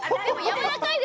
やわらかい？